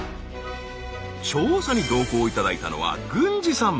調査に同行いただいたのは郡司さん。